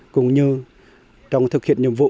cùng như trong thực hiện nhiệm vụ